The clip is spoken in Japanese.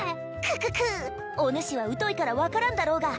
クククおぬしは疎いから分からんだろうが